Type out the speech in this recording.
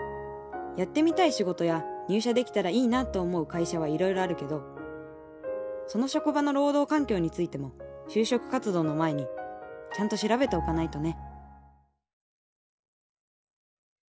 やってみたい仕事や入社できたらいいなと思う会社はいろいろあるけどその職場の労働環境についても就職活動の前にちゃんと調べておかないとね。